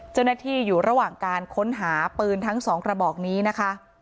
เจ้าหน้าที่อยู่ระหว่างการค้นหาปืนทั้งสองกระบอกนี้นะคะ